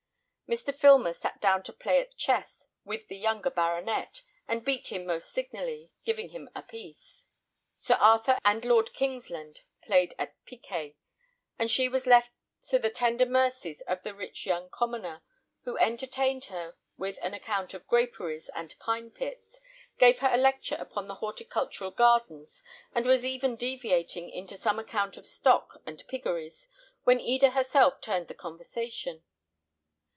Mr. Filmer sat down to play at chess with the younger baronet, and beat him most signally, giving him a piece. Sir Arthur and Lord Kingsland played at piquet; and she was left to the tender mercies of the rich young commoner, who entertained her with an account of graperies and pine pits, gave her a lecture upon the horticultural gardens, and was even deviating into some account of stock and piggeries, when Eda herself turned the conversation.